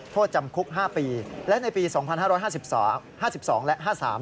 โทษจำคุก๕ปีและในปี๒๕๕๒และ๕๓